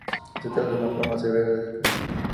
Se trata de una forma severa de depresión.